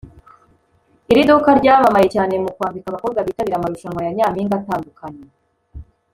Iri duka ryamamaye cyane mu kwambika abakobwa bitabira amarushanwa ya Nyampinga atandukanye